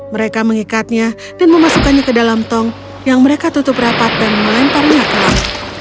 mereka mengikatnya dan memasukkannya ke dalam tong yang mereka tutup rapat dan melempar minyak lain